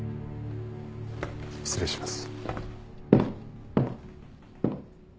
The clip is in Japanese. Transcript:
失礼します。